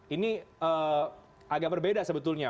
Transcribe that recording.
ini agak berbeda sebetulnya